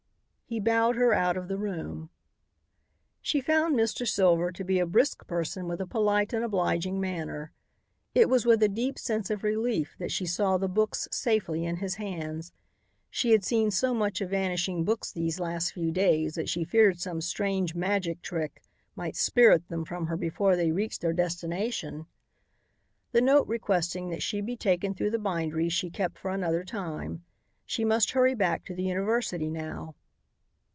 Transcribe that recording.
He bowed her out of the room. She found Mr. Silver to be a brisk person with a polite and obliging manner. It was with a deep sense of relief that she saw the books safely in his hands. She had seen so much of vanishing books these last few days that she feared some strange magic trick might spirit them from her before they reached their destination. The note requesting that she be taken through the bindery she kept for another time. She must hurry back to the university now.